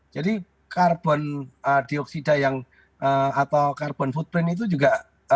jadi karbon dioksida yang atau carbon footprint itu juga